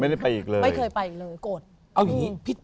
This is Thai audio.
ไม่ได้ไปอีกเลยไม่เคยไปอีกเลยโกรธ